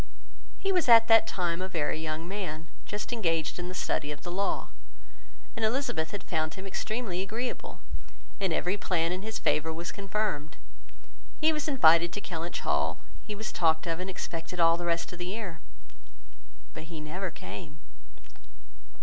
He was at that time a very young man, just engaged in the study of the law; and Elizabeth found him extremely agreeable, and every plan in his favour was confirmed. He was invited to Kellynch Hall; he was talked of and expected all the rest of the year; but he never came.